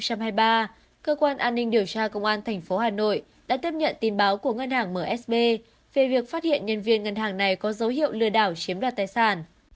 cơ quan an ninh điều tra công an tp hà nội đã tiếp nhận tin báo của ngân hàng msb về việc phát hiện nhân viên ngân hàng này có dấu hiệu lừa đảo chiếm đoạt tài sản